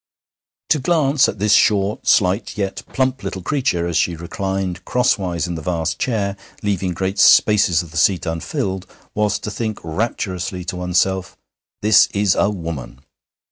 To glance at this short, slight, yet plump little creature as she reclined crosswise in the vast chair, leaving great spaces of the seat unfilled, was to think rapturously to one's self: This is a woman.